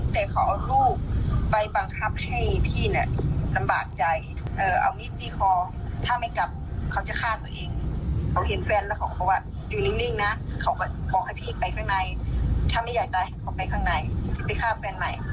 ถ้าไม่อยากจะตายให้เขาไปข้างในจะไปฆ่าแฟนใหม่